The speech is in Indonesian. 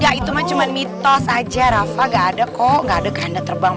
ya itu mah cuma mitos aja rafa gak ada kok kerendah terbang